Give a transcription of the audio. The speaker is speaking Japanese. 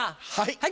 はい。